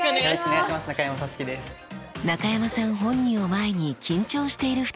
中山さん本人を前に緊張している２人。